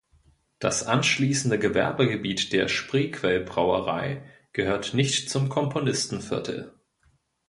Das anschließende Gewerbegebiet der Spreequell-Brauerei gehört nicht zum Komponistenviertel.